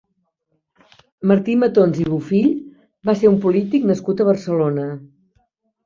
Martí Matons i Bofill va ser un polític nascut a Barcelona.